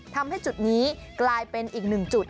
ทำให้จุดนี้กลายเป็นอีกหนึ่งจุด